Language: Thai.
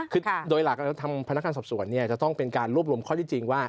คือโดยหลักทางพนักงานสอบสวนจะต้องเป็นการรวบรวมข้อที่จริงว่า